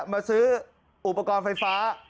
มาซื้ออุปกรณ์ไฟฟ้า